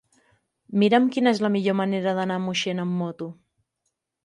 Mira'm quina és la millor manera d'anar a Moixent amb moto.